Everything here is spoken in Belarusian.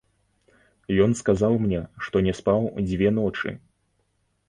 Ён сказаў мне, што не спаў дзве ночы.